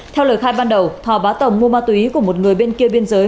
theo lời khai ban đầu thò bá tồng mua ma túy của một người bên kia biên giới